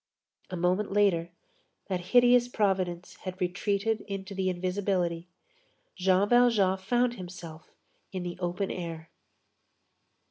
A moment later, that hideous providence had retreated into the invisibility. Jean Valjean found himself in the open air.